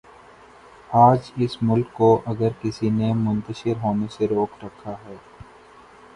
آج اس ملک کو اگر کسی نے منتشر ہونے سے روک رکھا ہے۔